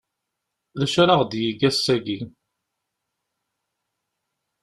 D acu ara ɣ-d-yeg ass-agi?